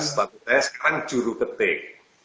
saya sekarang juru ketik